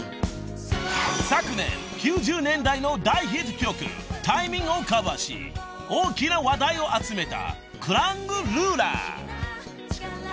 ［昨年９０年代の大ヒット曲『タイミング』をカバーし大きな話題を集めた］